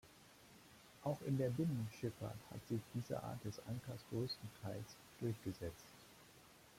Auch in der Binnenschifffahrt hat sich diese Art des Ankers größtenteils durchgesetzt.